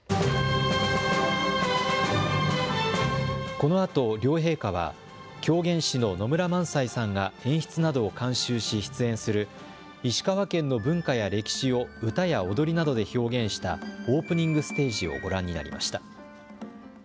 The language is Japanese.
このあと、両陛下は、狂言師の野村萬斎さんが演出などを監修し出演する、石川県の文化や歴史を歌や踊りなどで表現したオープニングステージをご覧になりました。